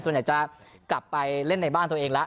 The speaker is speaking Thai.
ส่วนใหญ่จะกลับไปเล่นในบ้านตัวเองแล้ว